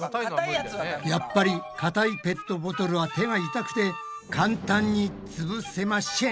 やっぱりかたいペットボトルは手が痛くて簡単につぶせましぇん。